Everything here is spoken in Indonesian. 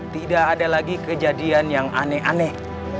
tidak ada lagi kejadian yang aneh aneh